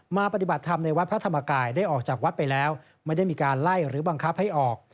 ปฏิบัติธรรมในวัดพระธรรมกายได้ออกจากวัดไปแล้วไม่ได้มีการไล่หรือบังคับให้ออก